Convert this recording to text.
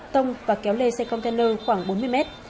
tông và kéo lê xe container khoảng bốn mươi mét